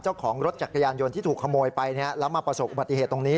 เจ้าของรถจักรยานยนต์ที่ถูกขโมยไปแล้วมาประสบอุบัติเหตุตรงนี้